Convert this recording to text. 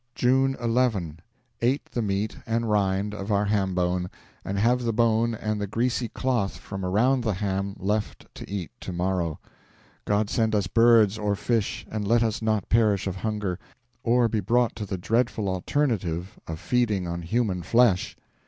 June 11. Ate the meat and rind of our ham bone, and have the bone and the greasy cloth from around the ham left to eat to morrow. God send us birds or fish, and let us not perish of hunger, or be brought to the dreadful alternative of feeding on human flesh!